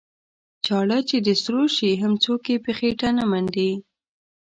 چاړه که د سرو شي هم څوک یې په خېټه نه منډي.